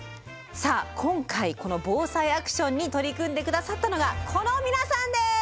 さあ今回この「ＢＯＳＡＩアクション」に取り組んで下さったのがこの皆さんです！